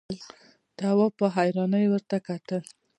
تواب په حيرانۍ ورته کتل…